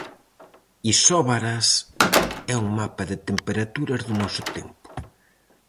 Isóbaras é un mapa de temperaturas do noso tempo.